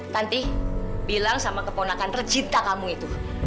tanti bilang sama keponakan percinta kamu itu